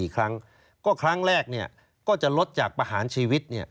๔ครั้งก็ครั้งแรกก็จะลดจากประหารชีวิต